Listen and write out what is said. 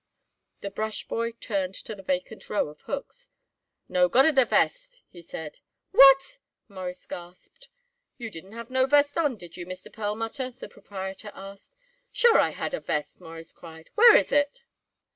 The brushboy turned to the vacant row of hooks. "No gotta da vest," he said. "What!" Morris gasped. "You didn't have no vest on, did you, Mr. Perlmutter?" the proprietor asked. "Sure I had a vest," Morris cried. "Where is it?"